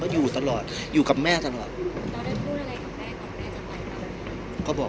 พี่อัดมาสองวันไม่มีใครรู้หรอก